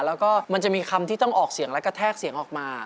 แล้วก็มันจะมีคำที่ต้องออกเสียงและกระแทกเสียงออกมา